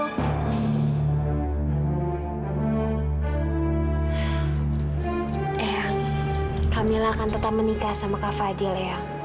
ehang kamila akan tetap menikah sama kak fadil ya